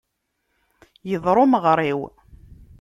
Iḍṛa umeɣṛiw.